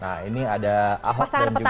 nah ini ada ahok dan juga